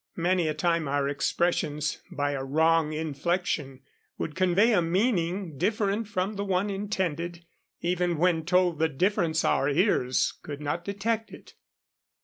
Many a time our expressions, by a wrong inflection, would convey a meaning different from the one intended. Even when told the difference, our ears could not detect it.